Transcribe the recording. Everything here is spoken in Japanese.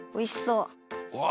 うわ！